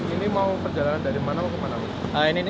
ini mau perjalanan dari mana ke mana